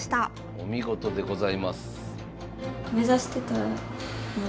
お見事でございます。